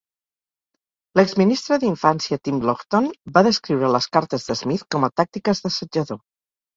L'exministre d'infància Tim Loughton va descriure les cartes de Smith com a "tàctiques d'assetjador".